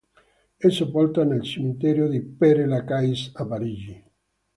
È sepolta nel cimitero di Père Lachaise a Parigi.